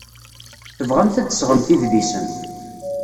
Tebɣamt ad d-tesɣemt idlisen.